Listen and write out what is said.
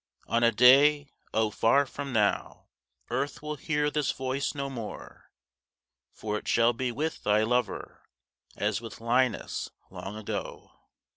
On a day (Oh, far from now!) Earth will hear this voice no more; 10 For it shall be with thy lover As with Linus long ago.